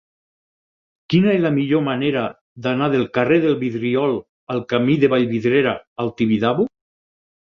Quina és la millor manera d'anar del carrer del Vidriol al camí de Vallvidrera al Tibidabo?